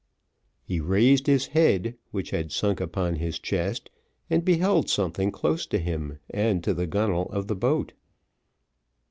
He raised his head, which had sunk upon his chest, and beheld something close to him, and to the gunnel of the boat.